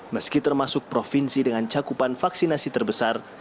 meski termasuk provinsi dengan cakupan vaksinasi terbesar